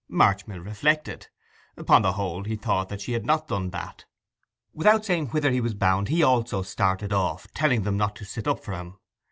Marchmill reflected. Upon the whole he thought that she had not done that. Without saying whither he was bound he also started off, telling them not to sit up for him.